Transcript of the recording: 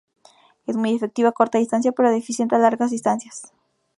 Es muy efectiva a corta distancia, pero deficiente a largas distancias.